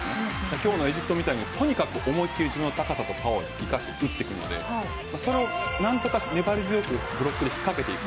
今日のエジプトみたいにとにかく思い切り高さとパワーを使って打ってくるのでそれを何とか粘り強くブロックで仕掛けていく。